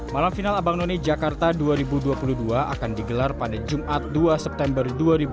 malam final abang none jakarta dua ribu dua puluh dua akan digelar pada jumat dua september dua ribu dua puluh